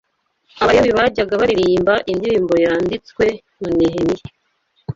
Abalewi bajyaga baririmba indirimbo yanditswe na Nehemiya